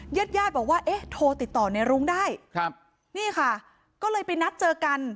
ญาติญาติบอกว่าเอ๊ะโทรติดต่อในรุ้งได้ครับนี่ค่ะก็เลยไปนัดเจอกัน